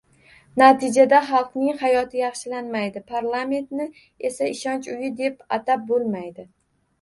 Natijada xalqning hayoti yaxshilanmaydi, parlamentni esa “ishonch uyi ” deb atab bo‘lmaydi.